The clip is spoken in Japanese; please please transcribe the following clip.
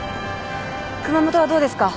熊本はどうですか？